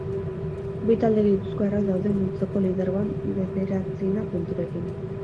Bi talde gipuzkoarrak daude multzoko lidergoan bederatzina punturekin.